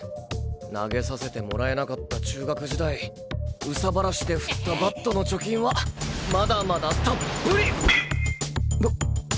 投げさせてもらえなかった中学時代ウサ晴らしで振ったバットの貯金はまだまだタップリ！